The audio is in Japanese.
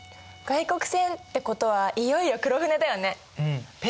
外国船ってことはいよいよ黒船だよね。